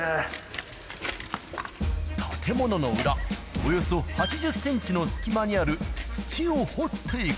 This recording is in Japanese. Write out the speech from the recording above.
建物の裏、およそ８０センチの隙間にある土を掘っていく。